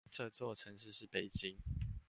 這座城市是北京